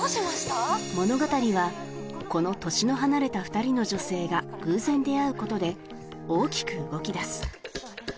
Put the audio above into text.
物語はこの年の離れた２人の女性が偶然出会うことで大きく動きだす